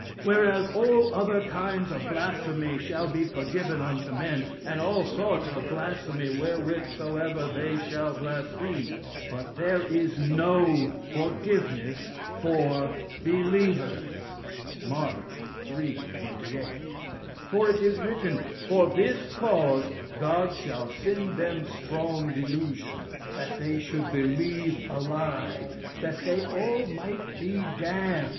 'Whereas all other kinds of blasphemy shall be forgiven unto men, and all sorts of blasphemy wherewith soever they shall blaspheme. But there is no forgiveness for believers.' Mark iii. 28. For it is written, 'For this cause God shall send them strong delusion, that they should believe a lie: that they all might be damned.'